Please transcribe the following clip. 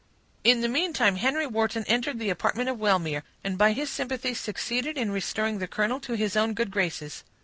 In the meantime, Henry Wharton entered the apartment of Wellmere, and by his sympathy succeeded in restoring the colonel to his own good graces.